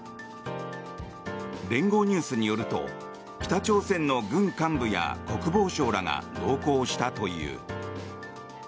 聯合ニュースによると北朝鮮の軍幹部や国防相らが同行したという。